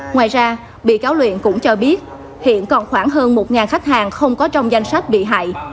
ngoài ra bị cáo luyện cũng cho biết hiện còn khoảng hơn một khách hàng không có trong danh sách bị hại